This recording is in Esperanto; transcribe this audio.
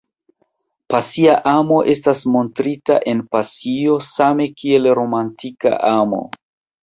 Pasia amo estas montrita en pasio same kiel romantika amo.